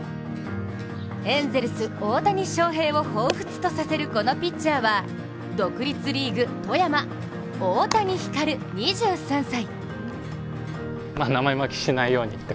エンゼルス・大谷翔平をほうふつとさせるこのピッチャーは独立リーグ・富山大谷輝龍２３歳。